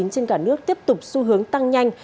trên cả nước tiếp tục xu hướng tăng nhanh